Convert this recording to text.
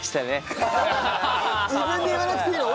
自分で言わなくていいの！